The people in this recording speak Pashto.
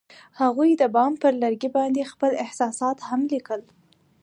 هغوی د بام پر لرګي باندې خپل احساسات هم لیکل.